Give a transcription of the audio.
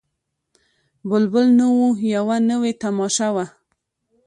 بلبل نه وو یوه نوې تماشه وه